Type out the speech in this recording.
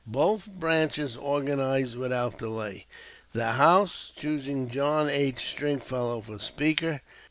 Both branches organized without delay, the House choosing John H. Stringfellow for Speaker.